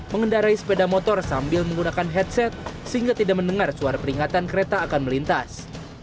mengendarai sepeda motor sambil menggunakan headset sehingga tidak mendengar suara peringatan kereta akan melintas